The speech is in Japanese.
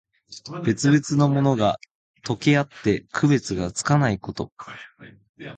別々のものが、とけあって区別がつかないこと。